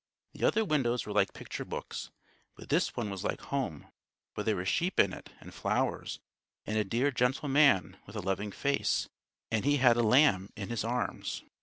The other windows were like picture books, but this one was like home; for there were sheep in it and flowers, and a dear, gentle Man, with a loving face, and He had a lamb in His arms.